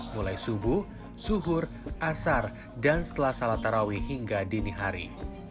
mulai subuh suhur asar dan setelah salat tarawih hingga dini hari